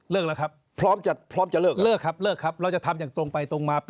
เลิกแล้วครับเลิกครับเราจะทำอย่างตรงไปตรงมาพร้อมจะเลิกครับ